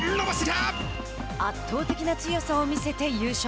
圧倒的な強さを見せて優勝。